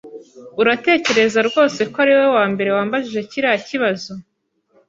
Uratekereza rwose ko ariwowe wambere wambajije kiriya kibazo?